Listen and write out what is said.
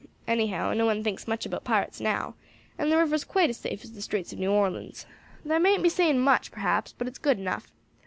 Anyhow, no one thinks much about pirates now, and the river's quite as safe as the streets of New Orleans. That mayn't be saying much, perhaps, but it's good enough.